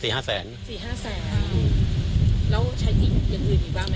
๔๕แสนแล้วใช้อย่างอื่นอีกบ้างไหมครับ